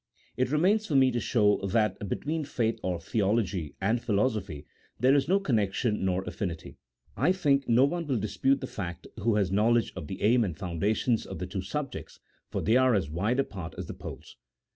It remains for me to show that between faith or theology, and philosophy, there is no connection, nor affinity. I think no one will dispute the fact who has knowledge of the aim and foundations of the two subjects, for they are as wide apart as the poles.